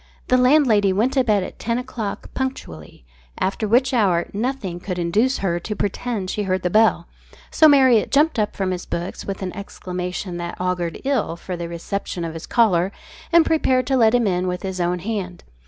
The landlady went to bed at ten o'clock punctually, after which hour nothing would induce her to pretend she heard the bell, so Marriott jumped up from his books with an exclamation that augured ill for the reception of his caller, and prepared to let him in with his own hand.